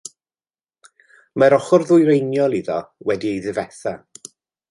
Mae'r ochr ddwyreiniol iddo wedi'i ddifetha.